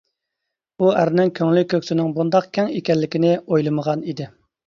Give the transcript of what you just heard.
ئۇ ئەرنىڭ كۆڭلى كۆكسىنىڭ بۇنداق كەڭ ئىكەنلىكىنى ئويلىمىغان ئىدى.